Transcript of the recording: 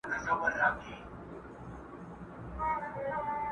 تا ویل د بنده ګانو نګهبان یم!